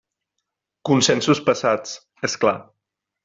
Consensos passats, és clar.